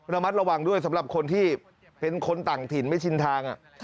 ระมัดระวังด้วยสำหรับคนที่เป็นคนต่างถิ่นไม่ชินทาง